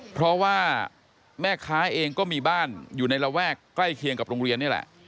เพราะว่าแม่ค้าเองก็มีบ้านอยู่ในระแวกใกล้เคียงกับโรงเรียนนี่แหละ